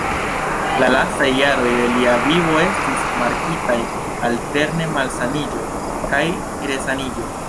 La lastaj jaroj de lia vivo estis markitaj alterne malsaniĝo kaj resaniĝo.